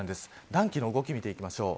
暖気の動き見ていきましょう。